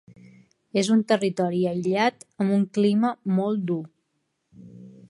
És un territori aïllat amb un clima molt dur.